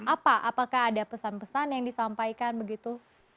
apa apakah ada pesan pesan yang disampaikan begitu